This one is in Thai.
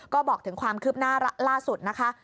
ก็บอกถึงความคืบหน้าล่าสุดนะคะ